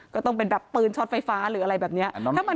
ก็ต้องเป็นแบบปืนช็อตไฟฟ้าหรืออะไรแบบนี้